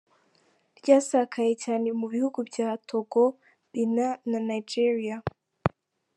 Ryasakaye cyane mu bihugu bya Togo, Benin na Nigeria.